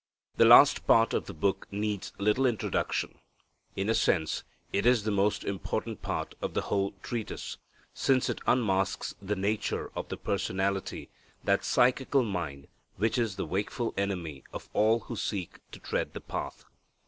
The last part of the last book needs little introduction. In a sense, it is the most important part of the whole treatise, since it unmasks the nature of the personality, that psychical "mind," which is the wakeful enemy of all who seek to tread the path.